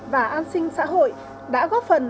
và an sinh xã hội đã góp phần